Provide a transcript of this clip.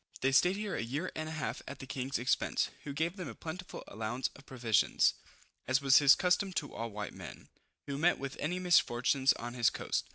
They stayed here a year and a half at the king's expense, who gave them a plentiful allowance of provision, as was his custom to all white men, who met with any misfortune on his coast.